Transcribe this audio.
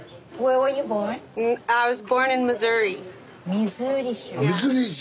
ミズーリ州。